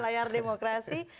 di layar demokrasi